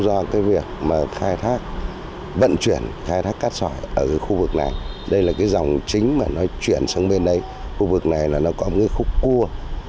do cái việc mà khai thác vận chuyển khai thác cát sỏi ở cái khu vực này đây là cái dòng chính mà nó chuyển xuống bên đây khu vực này là nó có một cái khúc cua